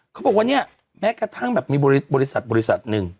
เขาบอกว่าเนี่ยแม้กระทั่งแบบมีบริษัทบริษัทหนึ่ง